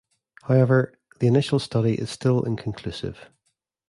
However, the initial study is still inconclusive.